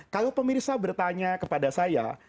kalau pemirsa bertanya kepada saya